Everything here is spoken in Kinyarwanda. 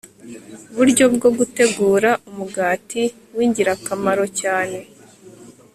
buryo bwo gutegura umugati wingirakamaro cyane …